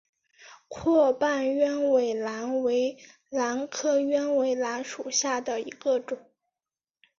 阔瓣鸢尾兰为兰科鸢尾兰属下的一个种。